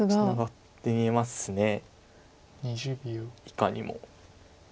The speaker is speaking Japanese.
いかにも。